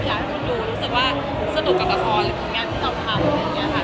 อยากคิดดูรู้สึกว่าสนุกกับกับคนหรือแบบพลังงานที่เราทำ